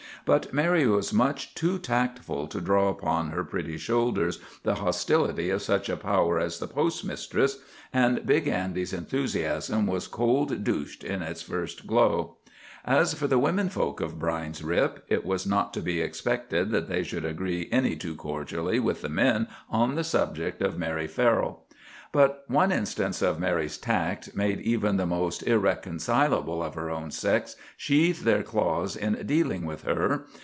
But Mary was much too tactful to draw upon her pretty shoulders the hostility of such a power as the postmistress, and Big Andy's enthusiasm was cold douched in its first glow. As for the womenfolk of Brine's Rip, it was not to be expected that they would agree any too cordially with the men on the subject of Mary Farrell. But one instance of Mary's tact made even the most irreconcilable of her own sex sheath their claws in dealing with her.